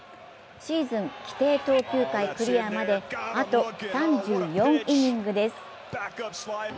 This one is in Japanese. シーズン規定投球回クリアまであと３４イニングです。